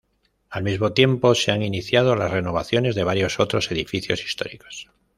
Al mismo tiempo se han iniciado las renovaciones de varios otros edificios históricos.